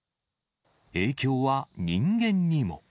影響は人間にも。